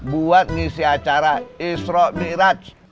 buat ngisi acara isro miraj